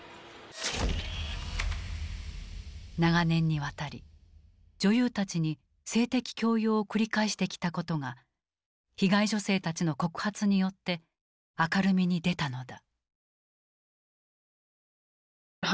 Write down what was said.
長年にわたり女優たちに性的強要を繰り返してきたことが被害女性たちの告発によって明るみに出たのだ。